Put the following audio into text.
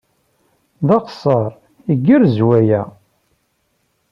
D axeṣṣar! Igerrez waya!